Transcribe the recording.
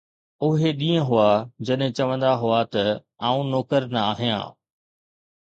اهي ڏينهن هئا، جڏهن چوندا هئا ته: ”آءٌ نوڪر نه آهيان.